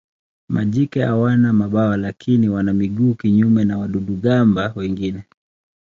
Majike hawana mabawa lakini wana miguu kinyume na wadudu-gamba wengine.